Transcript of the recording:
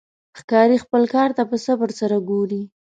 ښکاري خپل ښکار ته په صبر سره ګوري.